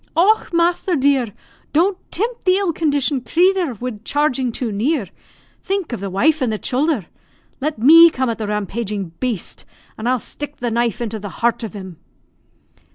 "Och, masther, dear! don't timpt the ill conditioned crathur wid charging too near; think of the wife and the childher. Let me come at the rampaging baste, an' I'll stick the knife into the heart of him."